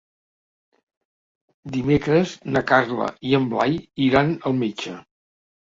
Dimecres na Carla i en Blai iran al metge.